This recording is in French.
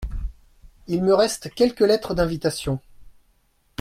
Il me reste quelques lettres d’invitation.